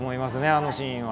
あのシーンは。